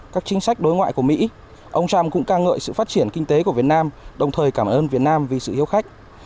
các chính sách đối ngoại của mỹ ông trump cũng ca ngợi sự phát triển kinh tế của việt nam đồng thời cảm ơn việt nam vì sự hiếu khách